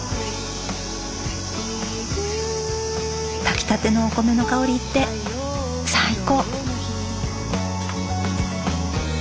炊きたてのお米の香りって最高！